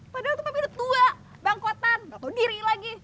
padahal itu mami udah tua bangkotan nggak tau diri lagi